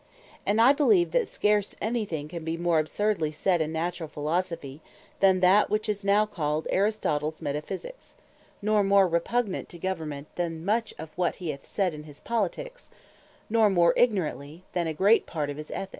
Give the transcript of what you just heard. And I beleeve that scarce any thing can be more absurdly said in naturall Philosophy, than that which now is called Aristotles Metaphysiques, nor more repugnant to Government, than much of that hee hath said in his Politiques; nor more ignorantly, than a great part of his Ethiques.